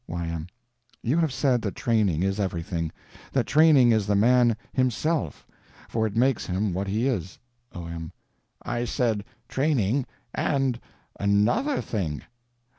Y.M. You have said that training is everything; that training is the man himself, for it makes him what he is. O.M. I said training and _another _thing.